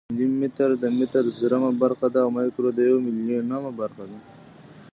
ملي متر د متر زرمه برخه ده او مایکرو د یو میلیونمه برخه ده.